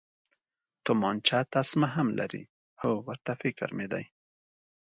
تومانچه تسمه هم لري، هو، ورته فکر مې دی.